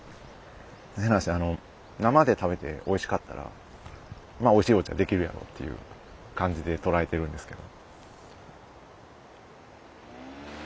変な話生で食べておいしかったらおいしいお茶出来るやろうっていう感じでとらえてるんですけど。